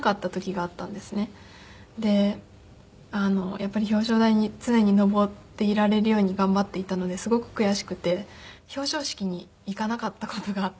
やっぱり表彰台に常に上っていられるように頑張っていたのですごく悔しくて表彰式に行かなかった事があったんです。